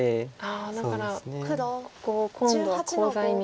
だからここを今度はコウ材に。